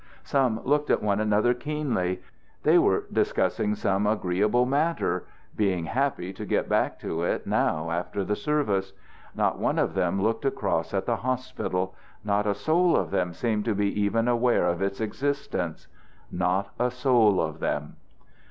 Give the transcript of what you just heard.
Some looked at one another keenly; they were discussing some agreeable matter, being happy to get back to it now after the service. Not one of them looked across at the hospital. Not a soul of them seemed to be even aware of its existence. Not a soul of them!